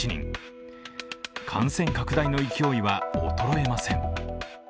感染拡大の勢いは衰えません。